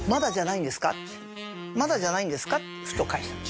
「まだじゃないんですか？」って返したんです。